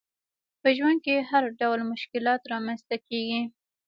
په ژوند کي هرډول مشکلات رامنځته کیږي